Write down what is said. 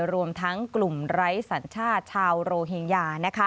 รวมทั้งกลุ่มไร้สัญชาติชาวโรฮิงญา